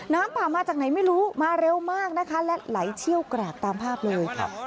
น้ำป่ามาจากไหนไม่รู้มาเร็วมากนะคะและไหลเชี่ยวกรากตามภาพเลย